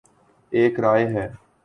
ایک رائے ہے